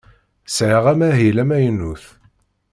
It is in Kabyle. Sɛiɣ amahil amaynut.